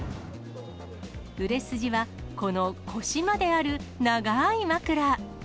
売れ筋は、この腰まである長ーい枕。